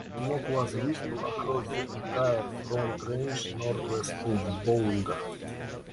Smoke was visible across the entire Front Range northwest of Boulder.